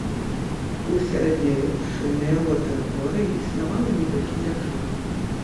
У сярэднявеччы на яго тэрыторыі існавала некалькі дзяржаў.